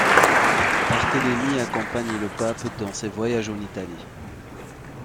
Barthélemy accompagne le pape dans ses voyages en Italie.